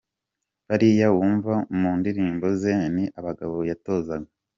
Bariya wumva mu ndirimbo ze ni abagabo yatozaga.